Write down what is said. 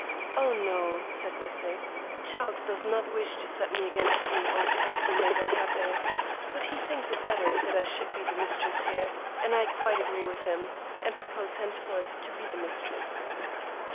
"Oh, no," said Bessie, "Charlie does not wish to set me against you or to have you made unhappy, but he thinks it better that I should be the mistress here, and I quite agree with him, and propose henceforth to be the mistress."